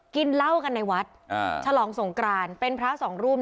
กินเหล้ากันในวัดฉลองสงกรานเป็นพระสองรูป